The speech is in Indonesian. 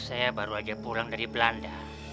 saya baru aja pulang dari belanda